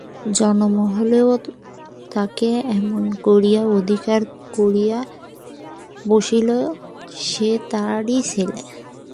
জগমোহনও তাকে এমনি করিয়া অধিকার করিয়া বসিলেন যেন সে তাঁরই ছেলে।